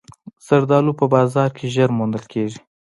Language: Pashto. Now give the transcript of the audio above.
زردالو په بازار کې ژر موندل کېږي.